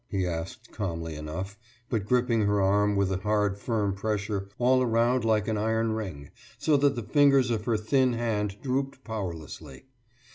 « he asked calmly enough, but gripping her arm with a hard firm pressure all round like an iron ring, so that the fingers of her thin hand drooped powerlessly.